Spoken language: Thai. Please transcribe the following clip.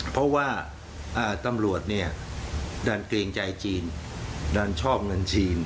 เพราะว่าตำรวจเนี่ยดันเกรงใจจีนดันชอบเงินจีน